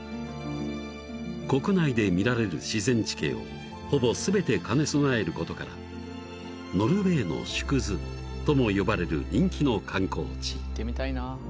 ［国内で見られる自然地形をほぼ全て兼ね備えることからノルウェーの縮図とも呼ばれる人気の観光地］